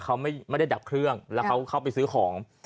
เค้าไม่ได้ดับเครื่อง